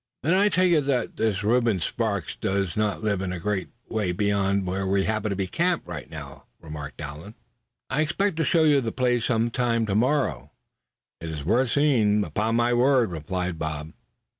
"Then I take it that this Reuben Sparks does not live a great way beyond where we happen to be camped right now?" remarked Allan. "I expected to show you the place sometime to morrow, suh. It is worth seeing, upon my word," replied Bob.